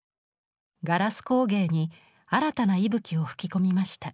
ガラス工芸に新たな息吹を吹き込みました。